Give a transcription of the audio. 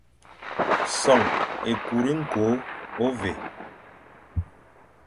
Son ékuri, ñko, ôvè,